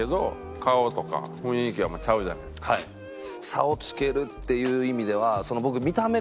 差をつけるっていう意味では僕。